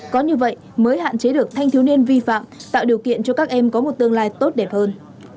có như vậy mới hạn chế được thanh thiếu niên vi phạm tạo điều kiện cho các em có một tương lai tốt đẹp hơn